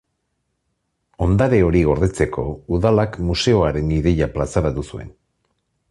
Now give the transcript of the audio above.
Ondare hori gordetzeko Udalak museoaren ideia plazaratu zuen.